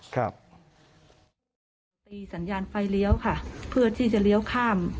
ตีสัญญาณไฟเลี้ยวค่ะเพื่อที่จะเลี้ยวข้าม